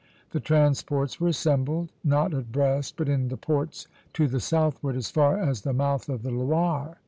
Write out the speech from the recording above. The transports were assembled, not at Brest, but in the ports to the southward as far as the mouth of the Loire.